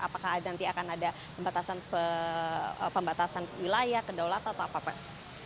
apakah nanti akan ada pembatasan wilayah kedaulatan atau apa pak